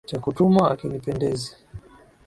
Cha kutumwa hakinipendezi.